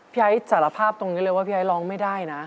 ไอ้สารภาพตรงนี้เลยว่าพี่ไอ้ร้องไม่ได้นะ